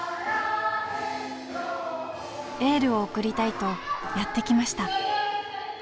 エールを送りたいとやって来ました